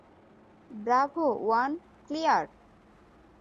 Bravo one, clear.